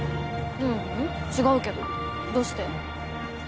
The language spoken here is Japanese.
ううん違うけどどうして？